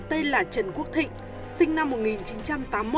tên là trần quốc thịnh sinh năm một nghìn chín trăm tám mươi một